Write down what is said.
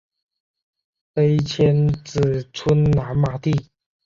碑迁址村南马地。